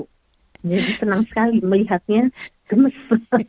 jadi senang sekali melihatnya gemes